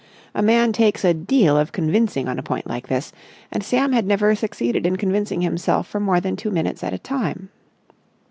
A man takes a deal of convincing on a point like this, and Sam had never succeeded in convincing himself for more than two minutes at a time.